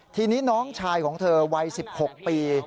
ทีนี้น้องชายของเธอวัย๑๖ปี